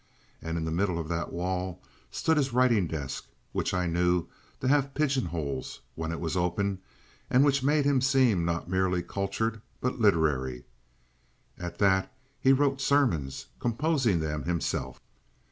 And in the middle of that wall stood his writing desk, which I knew to have pigeon holes when it was open, and which made him seem not merely cultured but literary. At that he wrote sermons, composing them himself!